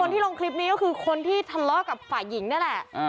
ที่ทะเลาะกับฝ่ายหญิงนั่นแหละ